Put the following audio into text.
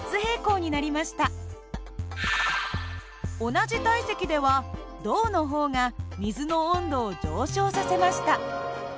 同じ体積では銅の方が水の温度を上昇させました。